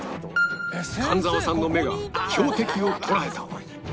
神沢さんの目が標的を捉えた